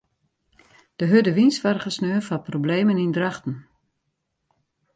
De hurde wyn soarge sneon foar problemen yn Drachten.